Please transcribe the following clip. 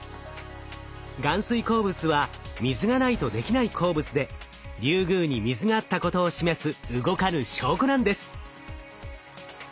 含水鉱物は水がないと出来ない鉱物でリュウグウに水があったことを示す動かぬ証拠なんです。